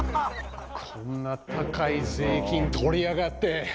こんな高い税金取りやがって。